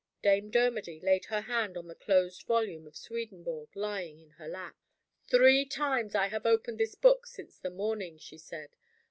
Dame Dermody laid her hand on the closed volume of Swedenborg lying in her lap. "Three times I have opened this book since the morning," she said.